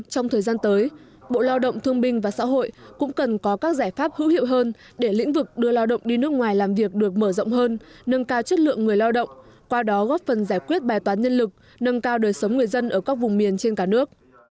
trong thời gian tới bộ lao động thương binh và xã hội cũng cần có các giải pháp hữu hiệu hơn để lĩnh vực đưa lao động đi nước ngoài làm việc được mở rộng hơn nâng cao chất lượng người lao động qua đó góp phần giải quyết bài toán nhân lực nâng cao đời sống người dân ở các vùng miền trên cả nước